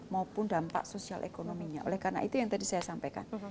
maupun dampak sosial ekonominya oleh karena itu yang tadi saya sampaikan